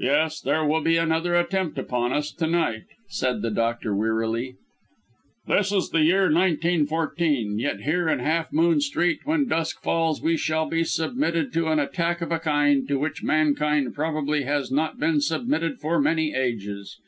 "Yes, there will be another attempt upon us, to night," said the doctor wearily. "This is the year 1914; yet, here in Half Moon Street, when dusk falls, we shall be submitted to an attack of a kind to which mankind probably has not been submitted for many ages.